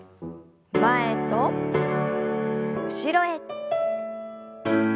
前と後ろへ。